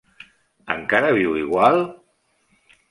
Encara viu igual?